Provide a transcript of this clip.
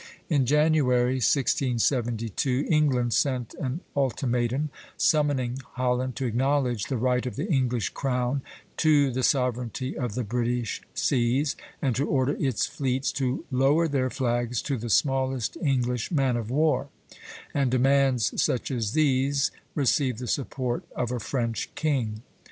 In January, 1672, England sent an ultimatum, summoning Holland to acknowledge the right of the English crown to the sovereignty of the British seas, and to order its fleets to lower their flags to the smallest English man of war; and demands such as these received the support of a French king.